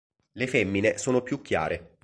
Le femmine sono più chiare.